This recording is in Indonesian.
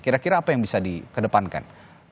kira kira apa yang bisa dikedepankan